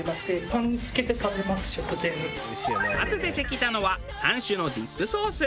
まず出てきたのは３種のディップソース。